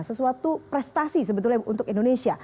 sesuatu prestasi sebetulnya untuk indonesia